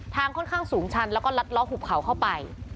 ค่อนข้างสูงชันแล้วก็ลัดล้อหุบเขาเข้าไป